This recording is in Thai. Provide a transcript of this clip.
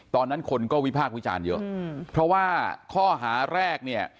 ตอนนั้นคนก็วิพากษ์วิจารณ์เยอะเพราะว่าข้อหาแรกเนี่ย